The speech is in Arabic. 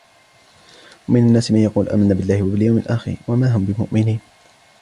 وَمِنَ النَّاسِ مَنْ يَقُولُ آمَنَّا بِاللَّهِ وَبِالْيَوْمِ الْآخِرِ وَمَا هُمْ بِمُؤْمِنِينَ